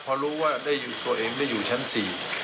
พอรู้ว่าได้อยู่ตัวเองได้อยู่ชั้นสี่